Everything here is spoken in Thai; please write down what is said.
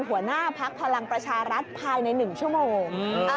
หัวหน้าพักพลังประชารัฐภายใน๑ชั่วโมง